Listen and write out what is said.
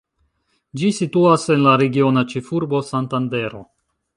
Ĝi situas en la regiona ĉefurbo, Santandero.